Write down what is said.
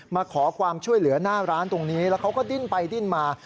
มาขอความช่วยเหลือหน้าร้านตรงนี้แล้วเขาก็ดิ้นไปดิ้นมา